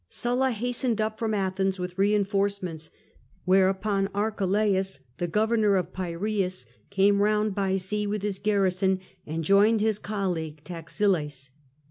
Sulla hastened up from Athens with reinforcements ; whereupon Archelaus, the governor of Piraeus, came round by sea with his garrison and joined his colleague, Taxiles.